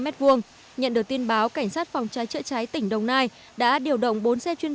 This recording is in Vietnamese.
mét vuông nhận được tin báo cảnh sát phòng cháy chữa cháy tỉnh đông nai đã điều động bốn xe chuyên